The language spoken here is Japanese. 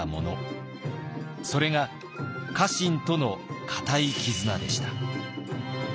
それが家臣との固い絆でした。